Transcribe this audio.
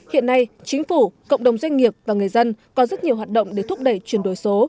hiện nay chính phủ cộng đồng doanh nghiệp và người dân có rất nhiều hoạt động để thúc đẩy chuyển đổi số